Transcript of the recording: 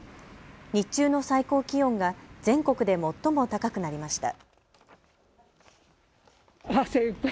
日中の最高気温が全国で最も高くなりました。